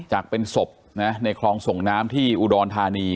จากเป็นศพในคลองส่งน้ำที่อุดรธานี